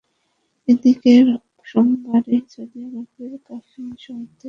এদিকে সোমবারই সৌদি আরবের কাতিফ শহরে পৃথক বোমা হামলার খবর পাওয়া গেছে।